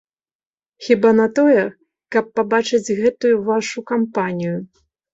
Хіба на тое, каб пабачыць гэтую вашу кампанію?